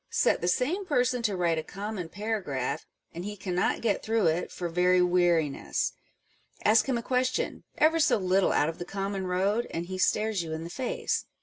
Set the same person to write a common paragraph, and he cannot get through it for very weariness : ask him a question, ever so little out of the common road, and he stares you in the face.